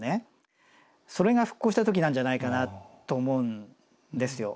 それが復興した時なんじゃないかなと思うんですよ。